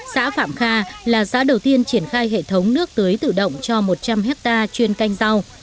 xã phạm kha là xã đầu tiên triển khai hệ thống nước tưới tự động cho một trăm linh hectare chuyên canh rau